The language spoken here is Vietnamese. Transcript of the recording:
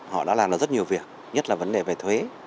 họ đã làm được rất nhiều việc nhất là vấn đề về thuế